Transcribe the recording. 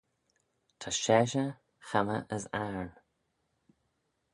Ta sheshey chammah as ayrn